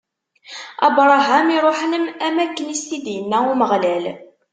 Abṛaham iṛuḥ, am wakken i s-t-id-inna Umeɣlal.